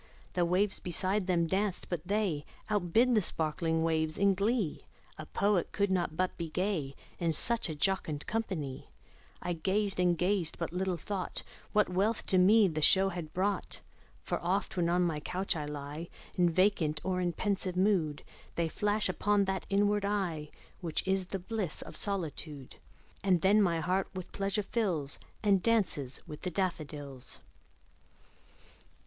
The waves beside them danced; but they Outdid the sparkling waves in glee; A poet could not but be gay, In such a jocund company; I gazed and gazed but little thought What wealth to me the show had brought: For oft, when on my couch I lie In vacant or in pensive mood, They flash upon that inward eye Which is the bliss of solitude; And then my heart with pleasure fills, And dances with the daffodils.